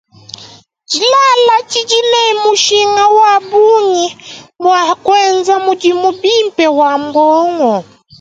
Dilala didi ne mushinga wa bungi bua kuenza mudimu bimpe wa buongo.